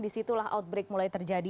di situlah outbreak mulai terjadi